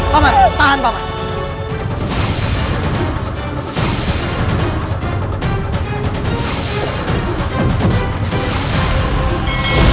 pak man tahan pak man